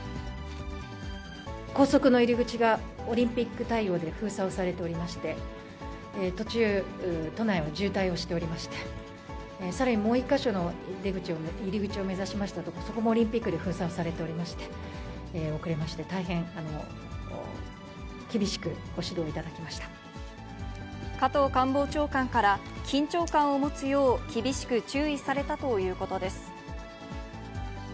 高速の入り口がオリンピック対応で封鎖をされておりまして、途中、都内は渋滞をしておりまして、さらにもう１か所の出口を、入り口を目指しましたところ、そこもオリンピックで封鎖をされておりまして、遅れまして、加藤官房長官から、緊張感を持つよう厳しく注意されたということです。